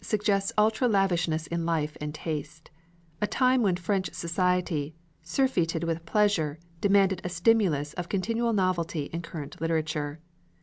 suggests ultra lavishness in life and taste; a time when French society, surfeited with pleasure, demanded a stimulus of continual novelty in current literature.